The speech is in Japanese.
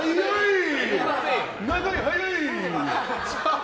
長い、速い！